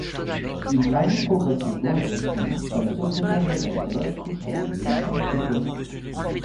Il gravit progressivement les échelons comme secrétaire-rédacteur, sous-chef puis chef de bureau.